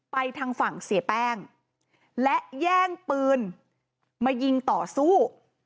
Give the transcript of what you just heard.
ทางฝั่งเสียแป้งและแย่งปืนมายิงต่อสู้